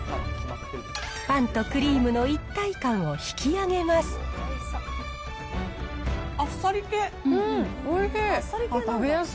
パンとクリームの一体感を引き上げます。